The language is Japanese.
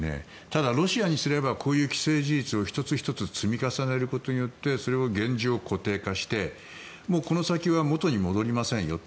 ただ、ロシアにすればこういう既成事実を１つ１つ積み重ねることによってそれを現状、固定化してもうこの先は元に戻りませんよ